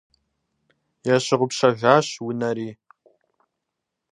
Ящыгъупщэжащ унэри!